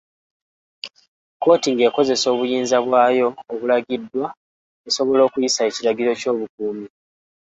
Kkooti ng'ekozesa obuyinza bwayo obulagiddwa esobola okuyisa ekiragiro ky'obukuumi.